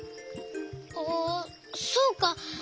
あそうか。